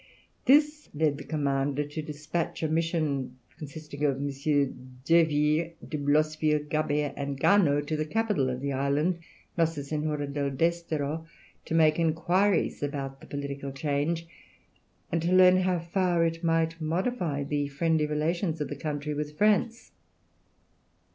This led the commander to despatch a mission consisting of MM. d'Urville, de Blosseville, Gabert, and Garnot to the capital of the island, Nossa Senhora del Desterro, to make inquiries about the political change, and learn how far it might modify the friendly relations of the country with France.